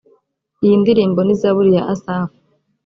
iyi ndirimbo ni zaburi ya asafu